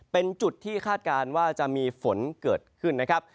เป็นจุดที่คาดการณ์ว่าจะมีฝนเกิดขึ้นนะครับ